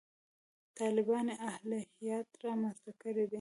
طالباني الهیات رامنځته کړي دي.